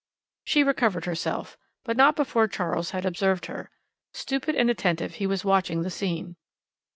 She recovered herself, but not before Charles had observed her. Stupid and attentive, he was watching the scene.